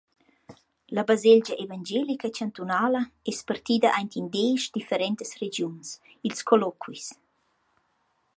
La baselgia evangelica chantunala es partida aint in desch differentas regiuns, ils colloquis.